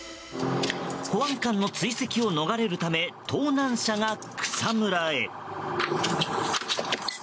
保安官の追跡を逃れるため盗難車が草むらへ。